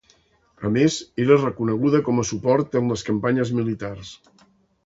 A més, era reconeguda com a suport en les campanyes militars.